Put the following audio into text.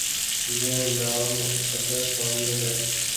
یہ انجام اگر سامنے ہے۔